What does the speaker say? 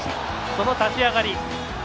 その立ち上がり。